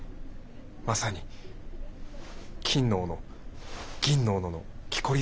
まさに「金の斧銀の斧」のきこりですね。